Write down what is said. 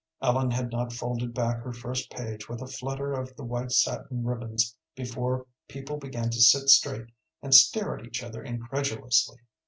Ellen had not folded back her first page with a flutter of the white satin ribbons before people began to sit straight and stare at each other incredulously.